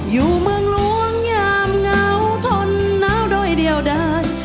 อยู่เมืองหลวงยามเหงาทนหนาวโดยเดียวได้